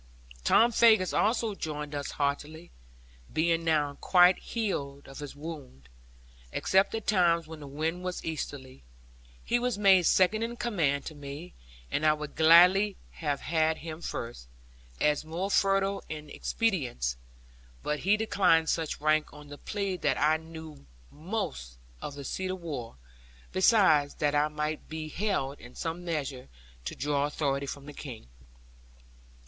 Tom Faggus also joined us heartily, being now quite healed of his wound, except at times when the wind was easterly. He was made second in command to me; and I would gladly have had him first, as more fertile in expedients; but he declined such rank on the plea that I knew most of the seat of war; besides that I might be held in some measure to draw authority from the King.